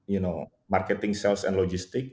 pasar marketing dan logistik